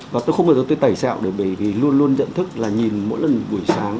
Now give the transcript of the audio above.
và tôi không bao giờ tôi tẩy xẹo để bởi vì luôn luôn nhận thức là nhìn mỗi lần buổi sáng